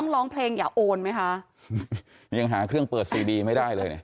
โทรศัพท์ไว้